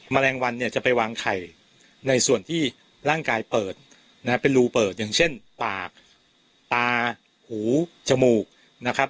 แมลงวันเนี่ยจะไปวางไข่ในส่วนที่ร่างกายเปิดนะฮะเป็นรูเปิดอย่างเช่นปากตาหูจมูกนะครับ